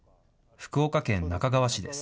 福岡県那珂川市です。